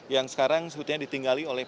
yang sekarang sebetulnya ditinggali oleh